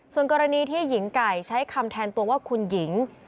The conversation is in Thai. ส่วนกรณีที่หญิงไก่ใช้คำแทนตัวว่าคุณหญิง